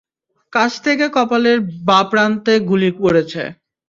কাছ থেকে কপালের বাঁ প্রান্তে গুলি করেছে।